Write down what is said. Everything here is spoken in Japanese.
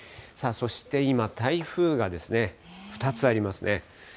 さあ、そして今、台風が２つありますね。